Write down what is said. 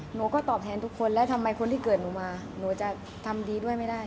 หนูก็ตอบแทนทุกคนแล้วทำไมคนที่เกิดหนูมาหนูจะทำดีด้วยไม่ได้